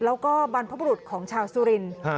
แล้วก็บรรพบรุษของชาวสุรินทร์